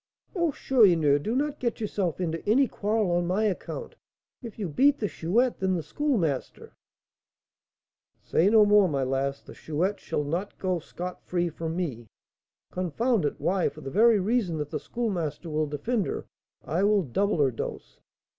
"Oh, Chourineur, do not get yourself into any quarrel on my account. If you beat the Chouette, then the Schoolmaster " "Say no more, my lass. The Chouette shall not go scot free for me. Confound it! why, for the very reason that the Schoolmaster will defend her, I will double her dose."